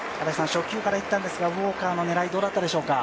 初球からいったんですが、ウォーカーの狙いはどうでしたか？